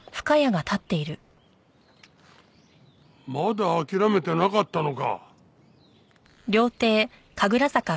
まだ諦めてなかったのか。